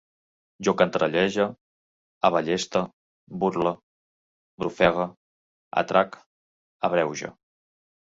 Jo cantarellege, aballeste, burle, brofegue, atrac, abreuge